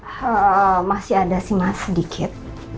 ya masih ada sih mas sedikit